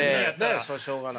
そらしょうがない。